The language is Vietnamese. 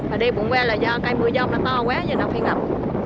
ở đây bụng que là do cây mưa giông nó to quá nên nó phải ngập